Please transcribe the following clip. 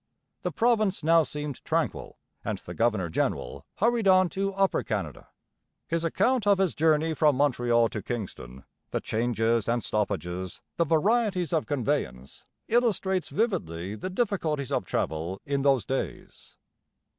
The province now seemed tranquil and the governor general hurried on to Upper Canada. His account of his journey from Montreal to Kingston the changes and stoppages, the varieties of conveyance illustrates vividly the difficulties of travel in those days.